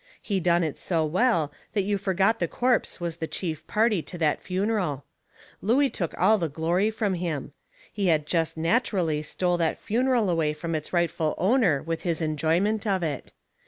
He done it so well that you forgot the corpse was the chief party to that funeral. Looey took all the glory from him. He had jest natcherally stole that funeral away from its rightful owner with his enjoyment of it.